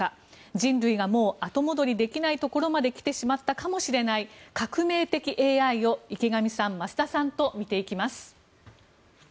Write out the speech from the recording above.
人類がもう後戻りできないところまで来てしまったかもしれない革命的ＡＩを池上さん、増田さんと見ていきます。